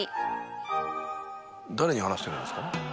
誰に話してるんですか？